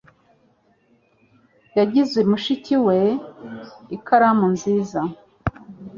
Yagize mushiki we ikaramu nziza.